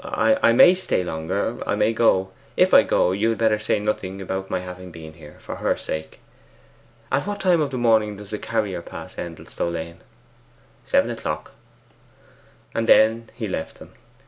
I may stay longer; I may go. If I go, you had better say nothing about my having been here, for her sake. At what time of the morning does the carrier pass Endelstow lane?' 'Seven o'clock.' And then he left them.